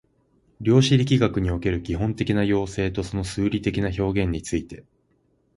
量子力学における基本的な要請とその数理的な表現について